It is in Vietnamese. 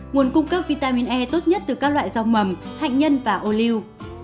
nguồn cung cấp vitamin e tốt nhất từ các loại rau mầm bệnh nhân và ô liu